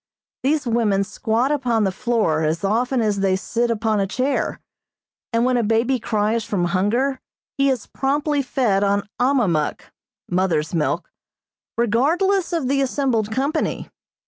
These women squat upon the floor as often as they sit upon a chair, and when a baby cries from hunger he is promptly fed on ahmahmuk, (mother's milk,) regardless of the assembled company.